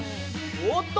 おおっと！